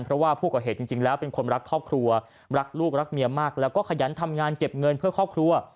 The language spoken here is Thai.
เพราะว่าผู้ก่อเหตุจริงแล้วเป็นคนรักครอบครัวรักลูกรักเมียมากแล้วก็ขยันทำงานเก็บเงินเพื่อครอบครัว